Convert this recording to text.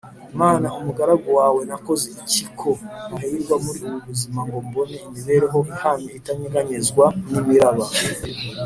Mana umugaragu wawe Nakoze iki ko ntahirwa muri ubu buzima ngo mbone imibereho ihamwe itanyeganyezwa ni imiraba